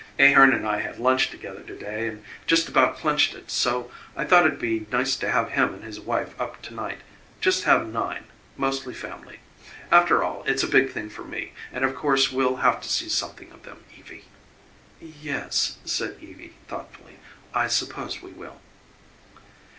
"Ahearn and I had lunch together to day and just about clinched it, so I thought it'd be nice to have him and his wife up to night just have nine, mostly family. After all, it's a big thing for me, and of course we'll have to see something of them, Evie." "Yes," said Evie thoughtfully, "I suppose we will."